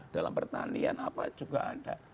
dalam pertanian apa juga ada